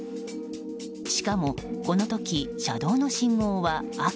しかも、この時車道の信号は赤。